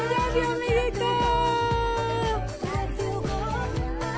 おめでとう。